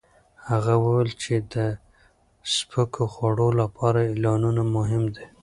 هغه وویل چې د سپکو خوړو لپاره اعلانونه مهم دي.